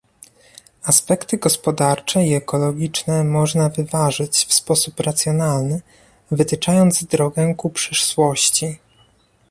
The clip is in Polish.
Aspekty gospodarcze i ekologiczne można wyważyć w sposób racjonalny, wytyczając drogę ku przyszłości